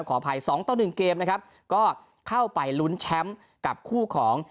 ขออภัย๒๑เกมนะครับก็เข้าไปลุ้นแชมป์กับคู่ของ